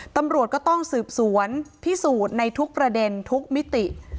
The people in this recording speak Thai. ตำรวจก็ต้องสืบสวนพิสูจน์ในทุกประเด็นทุกมิติ